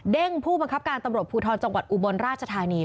ผู้บังคับการตำรวจภูทรจังหวัดอุบลราชธานี